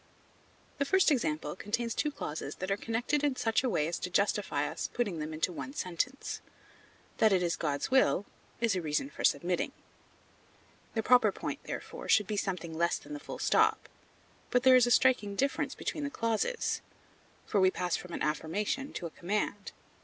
The first example contains two clauses that are connected in such a way as to justify us in putting them into one sentence; that it is God's will, is a reason for submitting. The proper point therefore should be something less than the full stop. But there is a striking difference between the clauses; for we pass from an affirmation to a command.